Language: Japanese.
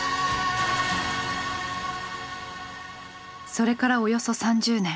それからおよそ３０年。